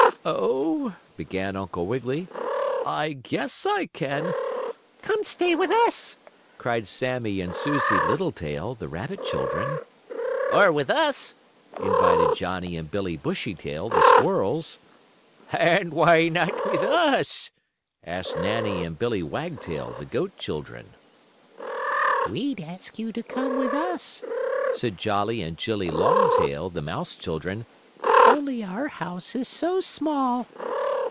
"Oh," began Uncle Wiggily, "I guess I can " "Come stay with us!" cried Sammie and Susie Littletail, the rabbit children. "Or with us!" invited Johnnie and Billie Bushytail, the squirrels. "And why not with us?" asked Nannie and Billie Wagtail, the goat children. "We'd ask you to come with us," said Jollie and Jillie Longtail, the mouse children, "only our house is so small."